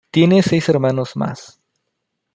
Tiene seis hermanos más.